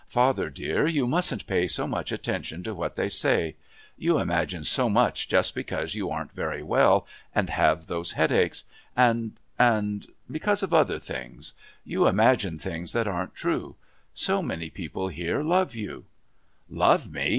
"Father dear, you mustn't pay so much attention to what they say. You imagine so much just because you aren't very well and have those headaches and and because of other things. You imagine things that aren't true. So many people here love you " "Love me!"